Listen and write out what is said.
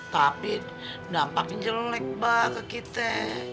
tapi dampaknya jelek banget kita